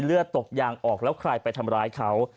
เลือดตกยางออกแล้วใครไปทำร้ายเขา